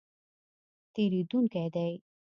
تېرېدونکی دی